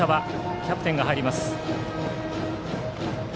キャプテンが入ります。